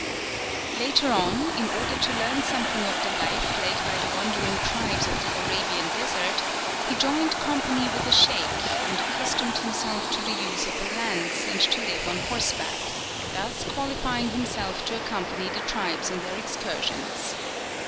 Later on, in order to learn something of the life led by the wandering tribes of the Arabian desert, he joined company with a sheik, and accustomed himself to the use of a lance, and to live on horseback, thus qualifying himself to accompany the tribes in their excursions.